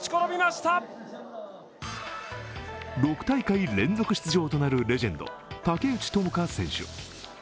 ６大会連続出場となるレジェンド竹内智香選手。